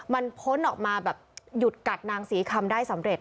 มันพ้นออกมาแบบหยุดกัดนางศรีคำได้สำเร็จ